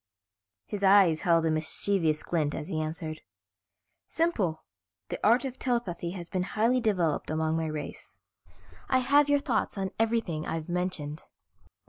His eyes held a mischievous glint as he answered. "Simple, the art of telepathy has been highly developed among my race. I have your thoughts on everything I've mentioned.